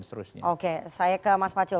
saya ke mas pacul